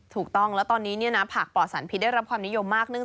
ถูกต้องแล้วตอนนี้ผักปลอดสารพิษได้รับความนิยมมาก